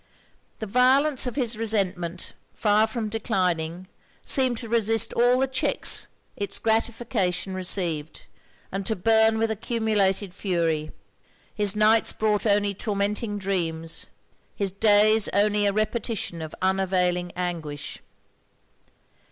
The violence of his resentment, far from declining, seemed to resist all the checks it's gratification received, and to burn with accumulated fury. His nights brought only tormenting dreams; his days only a repetition of unavailing anguish.